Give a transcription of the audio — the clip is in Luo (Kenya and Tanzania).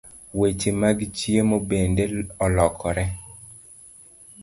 Weche mag chiemo bende olokore.